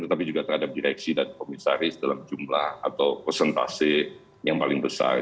tetapi juga terhadap direksi dan komisaris dalam jumlah atau persentase yang paling besar